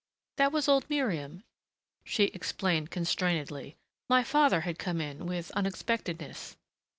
"That was old Miriam," she explained constrainedly. "My father had come in with unexpectedness."